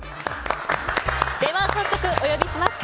早速お呼びします。